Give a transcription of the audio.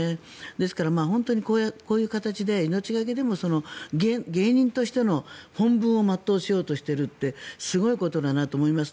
ですから、本当にこういう形で命懸けでも芸人としての本分を全うしようとしているってすごいことだなと思いました。